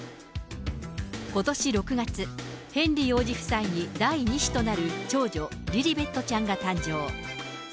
ことし６月、ヘンリー王子夫妻に第２子となる長女、リリベットちゃんが誕生。